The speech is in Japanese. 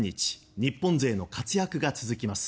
日本勢の活躍が続きます。